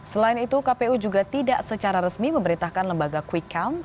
selain itu kpu juga tidak secara resmi memerintahkan lembaga quick count